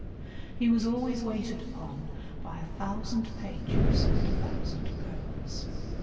He was always waited upon by a thousand pages and a thousand girls.